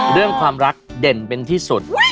เรื่องความรักเด่นเป็นที่สุด